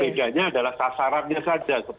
begitunya adalah sasarannya saja sebenarnya